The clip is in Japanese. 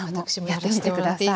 やってみて下さい。